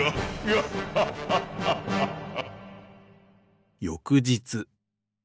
ハッハッハッハッハッハ！